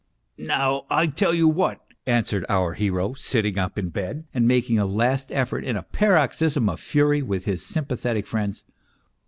" Now, I tell you what," answered our hero, sitting up in bed and making a last effort in a paroxysm of fury with his sym pathetic friends.